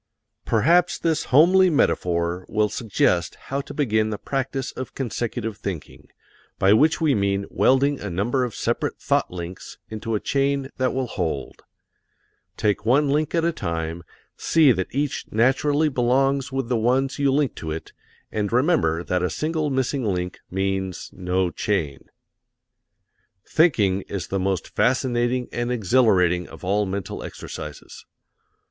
Perhaps this homely metaphor will suggest how to begin the practise of consecutive thinking, by which we mean welding a number of separate thought links into a chain that will hold. Take one link at a time, see that each naturally belongs with the ones you link to it, and remember that a single missing link means no chain. Thinking is the most fascinating and exhilarating of all mental exercises.